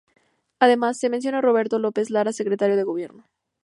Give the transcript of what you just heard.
Además, se menciona Roberto López Lara, secretario de Gobierno.